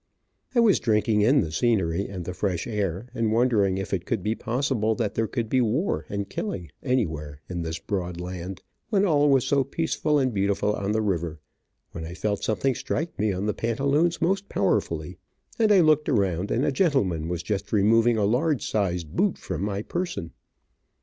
I was drinking in the scenery, and the fresh air, and wondering if it could be possible that there could be war, and killing, anywhere in this broad land, when all was so peace ful and beautiful on the river, when I felt something strike me on the pantaloons most powerfully, and I looked around and a gentleman was just removing a large sized boot from my person.